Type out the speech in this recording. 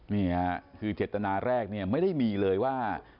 นี่คือเฉศตนาแรกไม่ได้มีเลยว่า